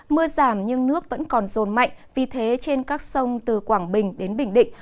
mưa giảm nhưng nước vẫn còn rồn mạnh vì thế trên các sông từ quảng bình đến bình định